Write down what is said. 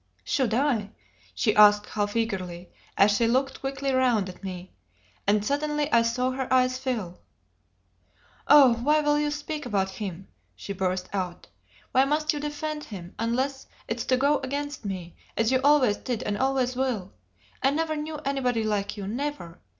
"Should I?" she asked half eagerly, as she looked quickly round at me; and suddenly I saw her eyes fill. "Oh, why will you speak about him?" she burst out. "Why must you defend him, unless it's to go against me, as you always did and always will! I never knew anybody like you never!